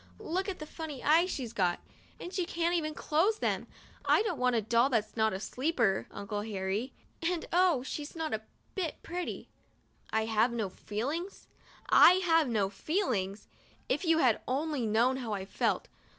Look what funny eyes she's got! And she can't close them ! I don't want a doll that's not a 'sleeper,' Uncle Harry, and oh! she's not a bit pretty." 1 have no feelings? I have no feelings? If you had only known how I felt